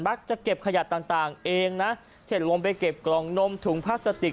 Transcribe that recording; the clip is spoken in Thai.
มักจะเก็บขยัดต่างเองนะเฉดลมไปเก็บกลองนมถุงพลาสติก